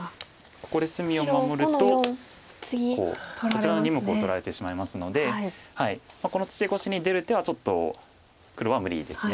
こちらの２目を取られてしまいますのでこのツケコシに出る手はちょっと黒は無理です。